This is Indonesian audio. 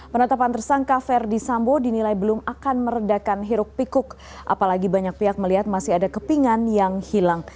penetapan tersangka verdi sambo dinilai belum akan meredakan hiruk pikuk apalagi banyak pihak melihat masih ada kepingan yang hilang